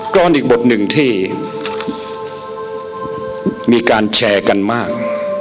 อีกบทหนึ่งที่มีการแชร์กันมาก